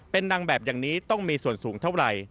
เป็นนางแบบอย่างนี้ต้องมีส่วนสูงเท่าไหร่